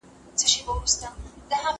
ابن خلدون وایي چي عصبیت مهم دی.